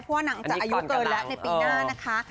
เพราะว่านางจะอายุเกินแล้วในปีหน้านะคะ